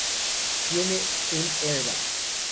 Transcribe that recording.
Tiene un airbag.